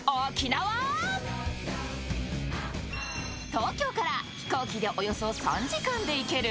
東京から飛行機でおよそ３時間で行ける